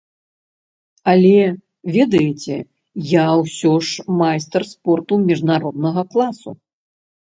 Але, ведаеце, я ўсё ж майстар спорту міжнароднага класу.